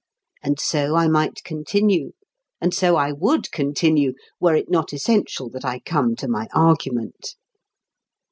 And so I might continue, and so I would continue, were it not essential that I come to my argument.